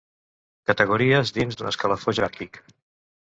Categories dins d'un escalafó jeràrquic.